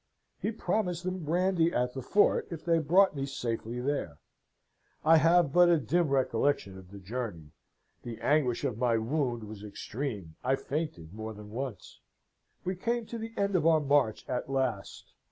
He promised them brandy at the fort, if they brought me safely there: I have but a dim recollection of the journey: the anguish of my wound was extreme: I fainted more than once. We came to the end of our march at last.